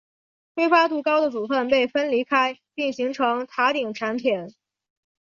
挥发度高的组分被分离开并形成塔顶产品。